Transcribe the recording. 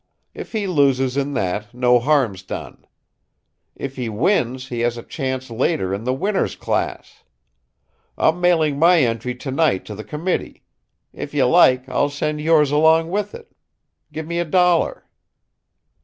If he loses in that, no harm's done. If he wins he has a chance later in the 'Winners' Class.' I'm mailing my entry to night to the committee. If you like, I'll send yours along with it. Give me a dollar."